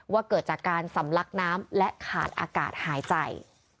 เกิดจากการสำลักน้ำและขาดอากาศหายใจ